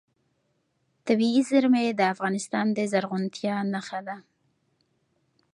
طبیعي زیرمې د افغانستان د زرغونتیا نښه ده.